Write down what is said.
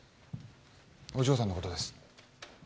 お嬢さんのことです。